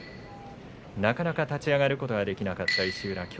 なかなか立ち上がることができなかった石浦。